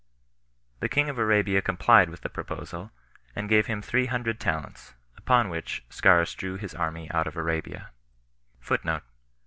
The king of Arabia complied with the proposal, and gave him three hundred talents; upon which Scaurus drew his army out of Arabia 10 2.